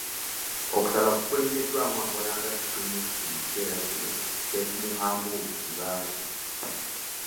Okusaba kukulembeddwamu akola nga Supreme Mufti mu kiseera kino, Sheikh Muhamood Kibaate.